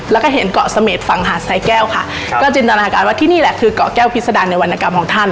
แล้วก็เห็นเกาะเสม็ดฝั่งหาดสายแก้วค่ะก็จินตนาการว่าที่นี่แหละคือเกาะแก้วพิษดารในวรรณกรรมของท่าน